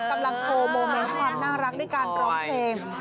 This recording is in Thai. กำลังโชว์โมเมนต์ความน่ารักด้วยการร้องเพลง